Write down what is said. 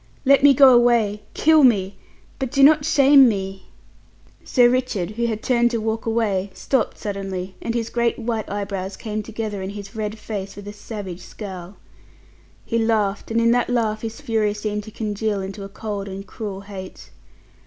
Let me go away; kill me; but do not shame me." Sir Richard, who had turned to walk away, stopped suddenly, and his great white eyebrows came together in his red face with a savage scowl. He laughed, and in that laugh his fury seemed to congeal into a cold and cruel hate.